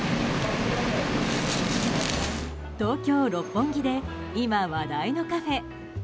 東京・六本木で今、話題のカフェ。